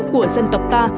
của dân tộc ta